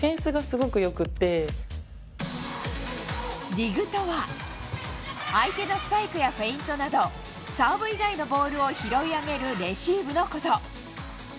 ディグとは相手のスパイクやフェイントなどサーブ以外のボールを拾い上げるレシーブのこと。